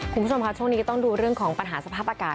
คุณผู้ชมค่ะช่วงนี้ก็ต้องดูเรื่องของปัญหาสภาพอากาศ